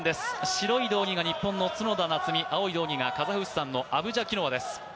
白い道着が日本の角田夏実、青い道着がカザフスタンのアブジャキノワです。